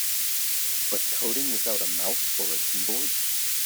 But coding without a mouse or a keyboard?